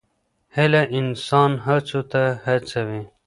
هیله انسان هڅو ته هڅوي.